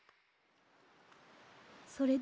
それで？